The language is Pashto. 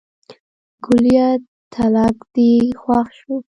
ګوليه تلک دې خوښ شو.